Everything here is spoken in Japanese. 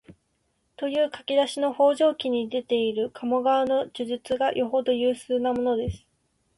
という書き出しの「方丈記」に出ている鴨川の叙述がよほど有数なものです